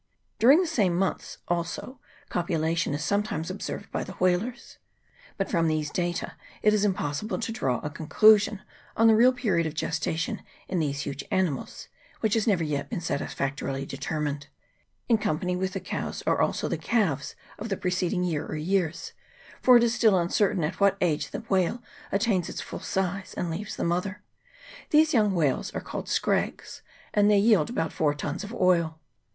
During the same months also copulation is sometimes observed by the whalers. But from these data it is impossible to draw a con clusion on the real period of gestation in these huge animals, which has never yet been satisfactorily de termined. In company with the cows are also the calves of the preceding year or years, for it is still uncertain at what age the whale attains its full size and leaves the mother ; these young whales are called scrags, and they yield about four tuns of oil.